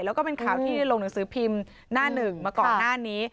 แล้วก็เป็นข่าวที่ลงหนังสือพิมพ์หน้าหนึ่งมาก่อนหน้านี้